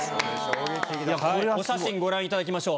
お写真ご覧いただきましょう。